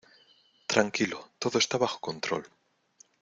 Tranquilo. Todo está bajo control .